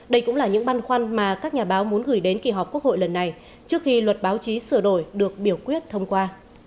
đây cũng là những băn khoăn mà các nhà báo muốn gửi đến kỳ họp quốc hội lần này trước khi luật báo chí sửa đổi được biểu quyết thông qua